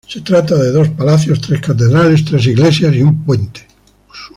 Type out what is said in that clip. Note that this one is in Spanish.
Se trata de dos palacios, tres catedrales, tres iglesias y un puente.